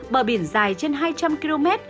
bờ biển dài trên hai trăm linh km